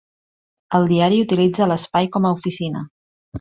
El diari utilitza l'espai com a oficina.